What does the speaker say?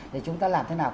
để chúng ta làm thế nào